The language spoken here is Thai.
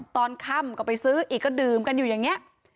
ตอนค่ำก็ไปซื้ออีกก็ดื่มกันอยู่อย่างนี้